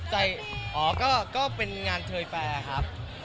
ใช่อ๋อก็เป็นงานเทอร์แฟครับ